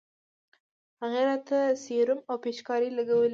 هغې راته سيروم او پيچکارۍ لګولې.